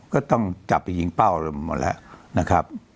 ก็ต้องจับไปยิงเป้าอะไรหมดแล้วนะครับ